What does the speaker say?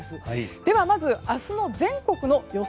では、まず明日の全国の予想